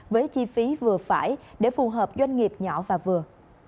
với chi phí vừa phải để phù hợp doanh nghiệp nhỏ và vừa